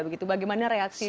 bagaimana reaksi dari